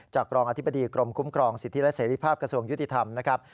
รองอธิบดีกรมคุ้มครองสิทธิและเสรีภาพกระทรวงยุติธรรมนะครับ